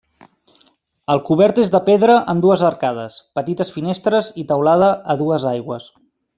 El cobert és de pedra amb dues arcades, petites finestres i teulada a dues aigües.